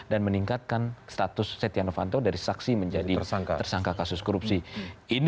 dan meningkatkan status setiano panto dari saksi menjadi tersangka kasus korupsi